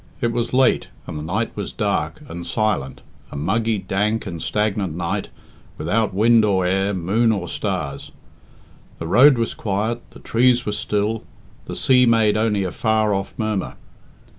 It was late, and the night was dark and silent a muggy, dank, and stagnant night, without wind or air, moon or stars. The road was quiet, the trees were still, the sea made only a far off murmur.